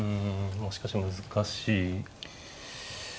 まあしかし難しい。